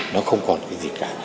nó không còn cái gì cả